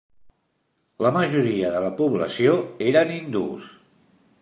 La majoria de la població eren hindús.